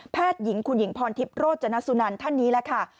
แพทย์หญิงคุณหญิงพรธิบโรจนรสุนันท์ท่านนี้แล้วค่ะ